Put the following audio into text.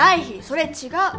それ違う。